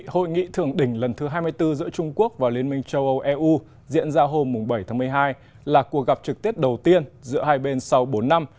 hội nghị thượng đỉnh lần thứ hai mươi bốn giữa trung quốc và liên minh châu âu eu diễn ra hôm bảy tháng một mươi hai là cuộc gặp trực tiếp đầu tiên giữa hai bên sau bốn năm